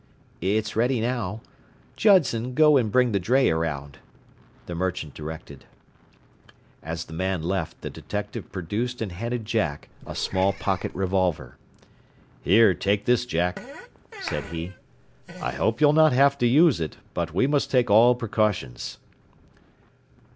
"It's ready now. Judson, go and bring the dray around," the merchant directed. As the man left, the detective produced and handed Jack a small pocket revolver. "Here, take this, Jack," said he. "I hope you'll not have to use it, but we must take all precautions.